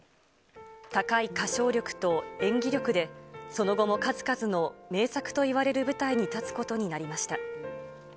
高い歌唱力と演技力で、その後も数々の名作といわれる舞台に立つことになりました。